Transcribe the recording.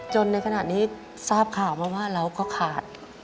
จนในขนาดนี้ฟาบค่าก็ขาด